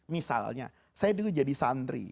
misalnya saya dulu jadi santri